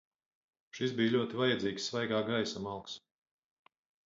Šis bija ļoti vajadzīgs svaigā gaisa malks.